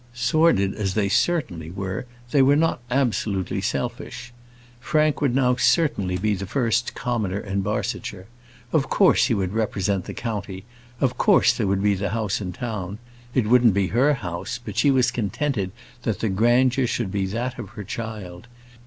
Sordid as they certainly were, they were not absolutely selfish. Frank would now certainly be the first commoner in Barsetshire; of course he would represent the county; of course there would be the house in town; it wouldn't be her house, but she was contented that the grandeur should be that of her child.